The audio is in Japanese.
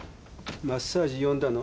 マッサージ呼んだの？